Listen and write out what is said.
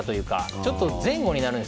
ちょっと前後になるんです。